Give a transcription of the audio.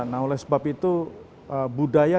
nah oleh sebab itu budaya